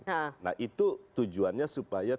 itu tujuannya supaya tidak terjadi kesalahan